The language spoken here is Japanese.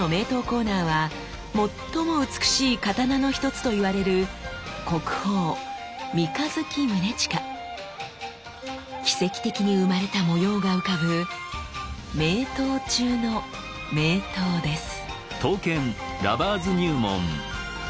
コーナーは最も美しい刀の一つと言われる奇跡的に生まれた模様が浮かぶ名刀中の名刀です！